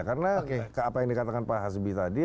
karena apa yang dikatakan pak hasbi tadi